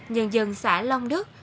nhân dân xã long đức